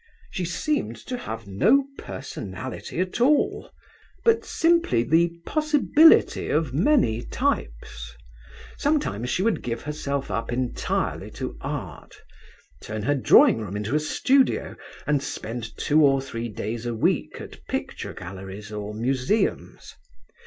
She seemed to have no personality at all, but simply the possibility of many types. Sometimes she would give herself up entirely to art, turn her drawing room into a studio, and spend two or three days a week at picture galleries or museums.